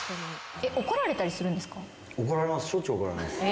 怒られたりするんですか？